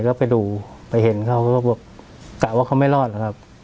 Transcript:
แล้วไปดูไปเห็นเขาก็บอกกะว่าเขาไม่รอดหรอกครับ